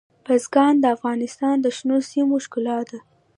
بزګان د افغانستان د شنو سیمو ښکلا ده.